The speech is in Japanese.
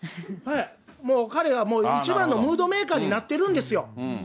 もう彼は、もう一番のムードメーカーになってるんですよ。